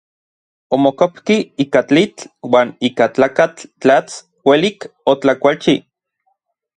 Omokopki ika tlitl uan ika tlakatl tlats uelik otlakualchi.